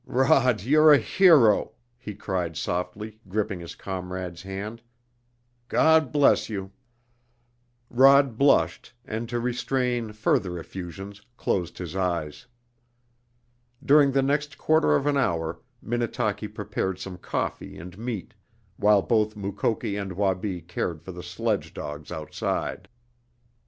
"Rod, you're a hero!" he cried softly, gripping his comrade's hand. "God bless you!" Rod blushed, and to restrain further effusions closed his eyes. During the next quarter of an hour Minnetaki prepared some coffee and meat, while both Mukoki and Wabi cared for the sledge dogs outside.